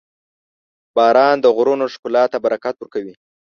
• باران د غرونو ښکلا ته برکت ورکوي.